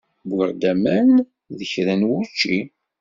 Uwiɣ-awen-d kra n wučči.